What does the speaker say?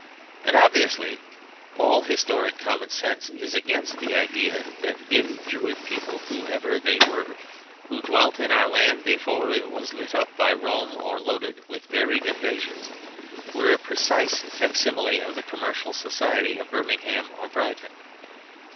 And obviously all historic common sense is against the idea that that dim Druid people, whoever they were, who dwelt in our land before it was lit up by Rome or loaded with varied invasions, were a precise facsimile of the commercial society of Birmingham or Brighton.